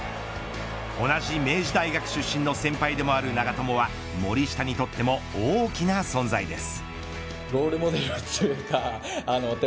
同じ明治大学出身の先輩でもある長友は森下にとっても大きな存在です。